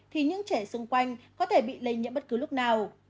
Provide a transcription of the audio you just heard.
thì những trẻ xung quanh có thể bị lây nhiễm bất cứ lúc nào